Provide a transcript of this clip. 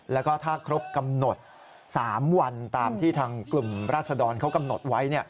แล้วก็ถ้าครบกำหนด๓วันตามที่ทางกลุ่มราศดรเขากำหนดไว้